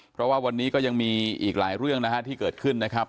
เพราะว่าวันนี้ก็ยังมีอีกหลายเรื่องนะฮะที่เกิดขึ้นนะครับ